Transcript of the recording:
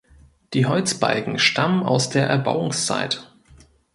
Die Holzbalken stammen aus der Erbauungszeit.